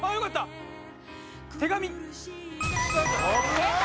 正解。